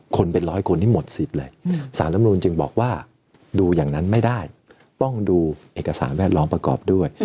คนเป็นร้อยคนที่หมดสิทธิ์เลยสารลำนูนจึงบอกว่าดูอย่างนั้นไม่ได้ต้องดูเอกสารแวดล้อมประกอบด้วย